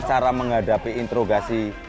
cara menghadapi interogasi